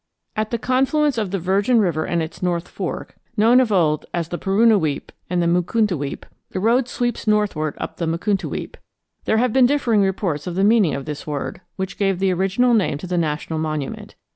At the confluence of the Virgin River and its North Fork, known of old as the Parunuweap and the Mukuntuweap, the road sweeps northward up the Mukuntuweap. There have been differing reports of the meaning of this word, which gave the original name to the national monument.